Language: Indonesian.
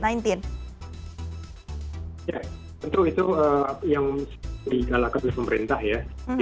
ya tentu itu yang di alakan oleh pemerintah ya